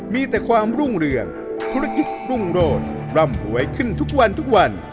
มีแต่ความรุ่งเรืองธุรกิจรุ่งโรดร่ำหวยขึ้นทุกวันทุกวัน